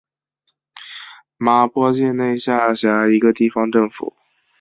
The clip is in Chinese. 麻坡县内下辖一个地方政府。